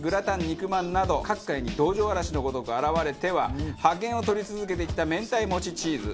肉まんなど各界に道場荒らしのごとく現れては覇権を取り続けてきた明太もちチーズ。